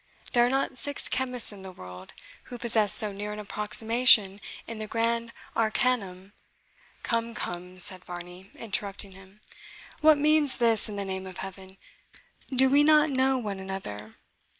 There are not six chemists in the world who possess so near an approximation to the grand arcanum " "Come, come," said Varney, interrupting him, "what means this, in the name of Heaven? Do we not know one another?